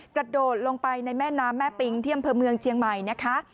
กระโดดลงไปในแม่น้ำแม่ปิงที่อำเภอเมืองเชียงใหม่นะคะ